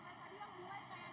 kembali terjadi gesekan